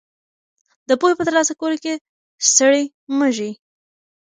د پوهې په ترلاسه کولو کې ستړي مه ږئ.